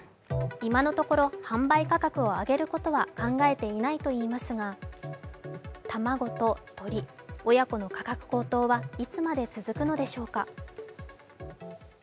今のところ、販売価格を上げることは考えていないといいますが卵と鶏、親子の価格高騰はいつまで続くのでしょうか。